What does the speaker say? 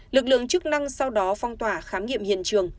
lực lượng chức năng sau đó phong tỏa khám nghiệm hiện trường